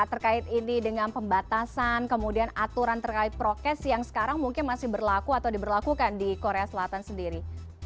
terkait ini dengan pembatasan kemudian aturan terkait prokes yang sekarang mungkin masih berlaku atau diberlakukan di korea selatan sendiri